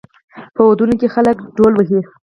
په ودونو کې خلک ډول وهي.